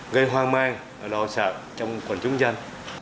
gây hoang mang và lo sợ trong quần chúng dân